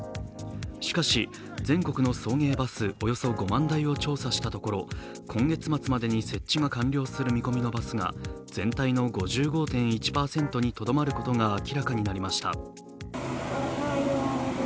しかし全国の送迎バスおよそ５万台を調査したところ今月末までに設置が完了する見込みのバスが全体の５５．１％にとどまることが明らかになりました。